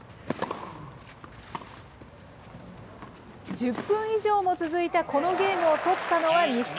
１０分以上も続いたこのゲームを取ったのは錦織。